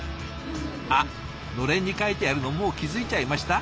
あっのれんに書いてあるのもう気付いちゃいました？